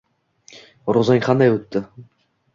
Ro`zang qanday o`tdi